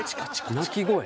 鳴き声？